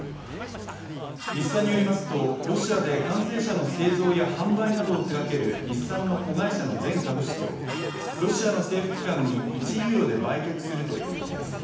日産によりますとロシアで完成車の製造や販売などを手がける日産の子会社の全株式をロシアの政府機関に１ユーロで売却するということです